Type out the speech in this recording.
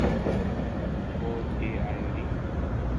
quote D Ivory